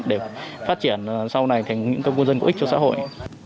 để phát triển sau này thành những công dân có ích cho xã hội